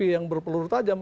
yang berpeluru tajam